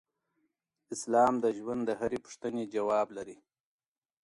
اسلام د ژوند د هرې پوښتنې ځواب لري.